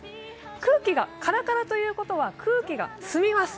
空気がカラカラということは、空気が澄みます。